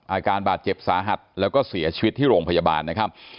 อาการบาดเจ็บสาหัสแล้วก็เสียชีวิตที่โรงพยาบาลนะครับ